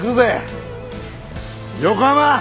横浜！